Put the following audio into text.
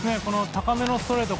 高めのストレート。